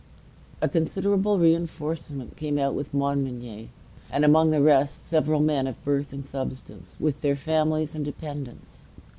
A considerable reinforcement came out with Montmagny, and among the rest several men of birth and substance, with their families and dependants.